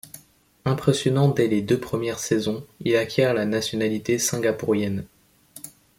Impressionnant dès les deux premières saisons, il acquiert la nationalité singapourienne.